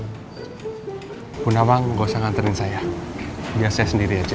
ibu nawang nggak usah nganterin saya ya saya sendiri aja